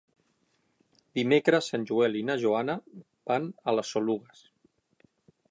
Dimecres en Joel i na Joana van a les Oluges.